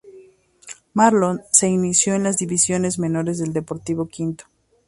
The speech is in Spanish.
Marlon se inició en las divisiones menores del Deportivo Quito.